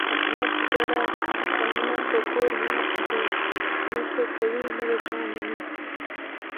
احمد ډډه کونه په کور ناست دی، نه څه کوي نه د چا مني.